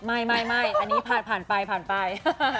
ไม่อันนี้ผ่านไป